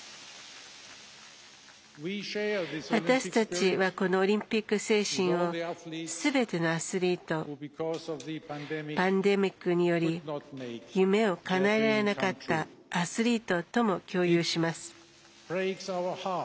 私たちはこのオリンピック精神をすべてのアスリートパンデミックにより夢をかなえられなかったアスリートとも共有します。